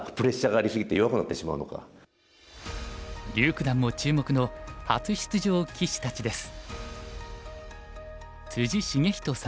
柳九段も注目の初出場棋士たちです。